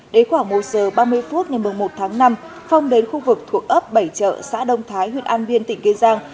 đến khoảng một giờ ba mươi phút ngày một mươi một tháng năm phong đến khu vực thuộc ấp bảy trợ xã đông thái huyện an viên tỉnh kênh giang